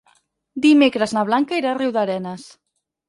Dimecres na Blanca irà a Riudarenes.